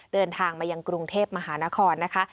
เดินทางมายังกรุงเทพมหานครนะคะ